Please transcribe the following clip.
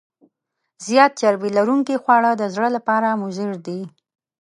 زیات چربي لرونکي خواړه د زړه لپاره مضر دي.